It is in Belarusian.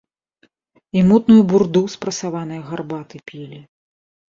І мутную бурду з прасаванае гарбаты пілі.